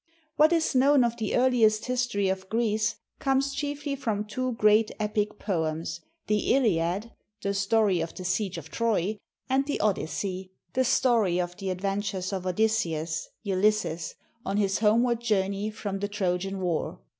What is known of the earliest history of Greece comes chiefly from two great epic poems, the Iliad, the story of the siege of Troy, and the Odyssey, the story of the adventures of Odysseus (Ulysses) on his homeward journey from the Trojan War.